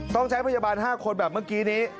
ต้องใช้พยาบาล๕คนแบบเมื่อกี้นี้